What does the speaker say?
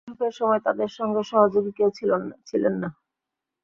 বৈঠকের সময় তাঁদের সঙ্গে সহযোগী কেউ ছিলেন না।